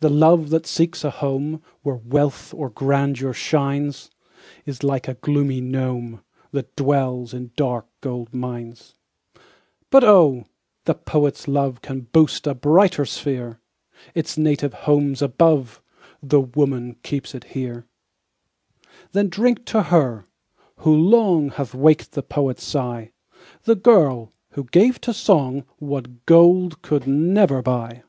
The love that seeks a home Where wealth or grandeur shines, Is like the gloomy gnome, That dwells in dark gold mines. But oh! the poet's love Can boast a brighter sphere; Its native home's above, Tho' woman keeps it here. Then drink to her, who long Hath waked the poet's sigh, The girl, who gave to song What gold could never buy.